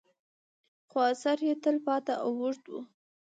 خو اثر یې تل پاتې او اوږد وي.